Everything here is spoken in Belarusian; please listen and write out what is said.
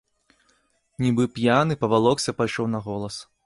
Нібы п'яны, павалокся, пайшоў на голас.